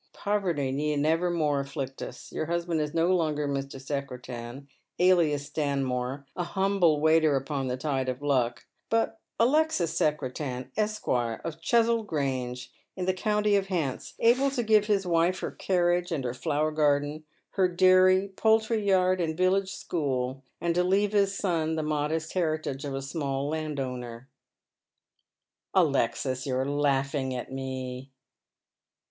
Poverty need never more afflict us. Your husband is no longer Mr. Secretan, alias Stanmore, a humble waiter upon the tide of luck, but Alexis Secretan, Esquire, of Cheswold Grange, in the county of Hants — able to give his wife her carnage and her flower garden, her dairy, poultry yard, and village school, and to leave his son the modest heritage of a small landowner." " Alexis ! you are laughing at me."